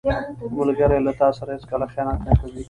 ملګری له تا سره هیڅکله خیانت نه کوي